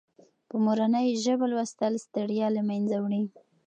په مورنۍ ژبه لوستل ستړیا له منځه وړي.